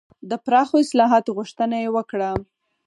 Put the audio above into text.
د پراخو اصلاحاتو غوښتنه یې وکړه.